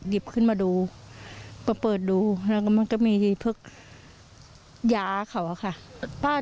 หยิบขึ้นมาดูก็เปิดดูแล้วมันก็มีเพิ่งยาเขาอ่ะคะป้า